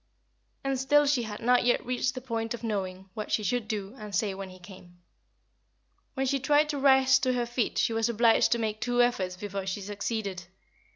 And still she had not yet reached the point of knowing what she should do and say when he came. When she tried to rise to her feet she was obliged to make two efforts before she succeeded.